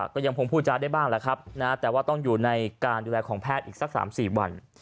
ก็ยังพงฟูจาได้บ้างแต่ว่าต้องอยู่ในการดูแลของแพทย์อีกสัก๓๔วัน